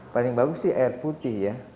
paling bagus sih air putih ya